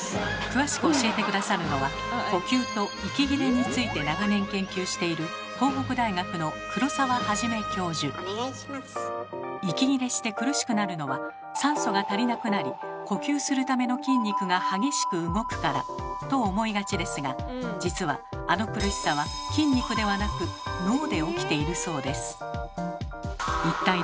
詳しく教えて下さるのは呼吸と息切れについて長年研究している息切れして苦しくなるのは「酸素が足りなくなり呼吸するための筋肉が激しく動くから」と思いがちですが実はあの苦しさは筋肉ではなく脳で起きているそうです。